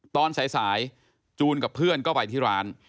ตอนสายจูนกับเพื่อนก็ไปที่ร้าน